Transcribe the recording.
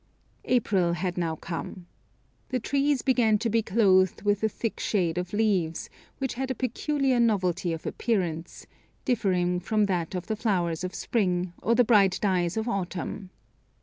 April had now come. The trees began to be clothed with a thick shade of leaves, which had a peculiar novelty of appearance, differing from that of the flowers of spring, or the bright dyes of autumn.